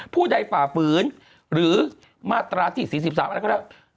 ผู้ใดฝ่าฝืนหรือมาตราที่๔๓อะไรก็แล้ว